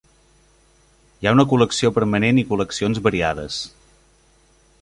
Hi ha una col·lecció permanent i col·leccions variades.